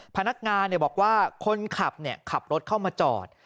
พนักงานบอกว่าคนขับขับรถเข้ามาจอด